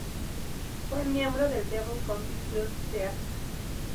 Fue miembro del Devon County Youth Theatre.